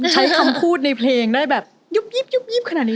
ใช้คำพูดในเพลงได้แบบยุบยิบขนาดนี้